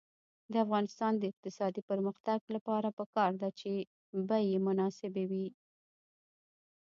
د افغانستان د اقتصادي پرمختګ لپاره پکار ده چې بیې مناسبې وي.